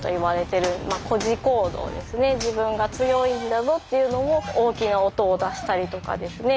自分が強いんだぞっていうのを大きな音を出したりとかですね